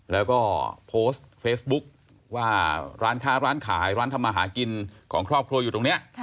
แล้วก็โพสต์เฟซบุ๊กว่าร้านค้าร้านขายร้านทำมาหากินของครอบครัวอยู่ตรงนี้